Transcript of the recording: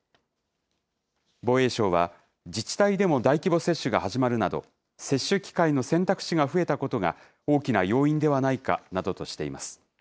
防衛省は、自治体でも大規模接種が始まるなど、接種機会の選択肢が増えたことが、大きな要因ではないかなどとしています。